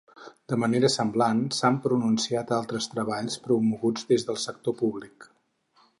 De manera semblant s'han pronunciat altres treballs promoguts des del sector públic.